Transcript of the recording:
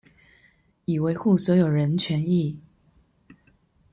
以維護所有權人權益